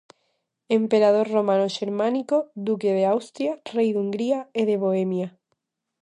Emperador romano-xermánico, Duque de Austria, Rei de Hungría e de Bohemia.